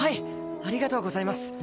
ありがとうございます。